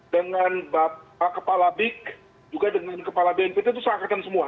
dengan bapak kepala big juga dengan kepala bnpt itu seangkatan semua